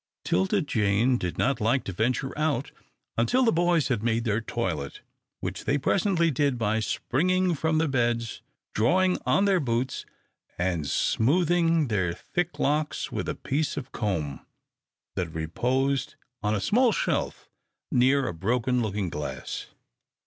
'Tilda Jane did not like to venture out until the boys had made their toilet, which they presently did by springing from their beds, drawing on their boots, and smoothing their thick locks with a piece of comb that reposed on a small shelf near a broken looking glass.